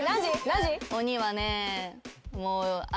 鬼はねぇ。